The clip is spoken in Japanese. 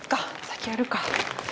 先やるか。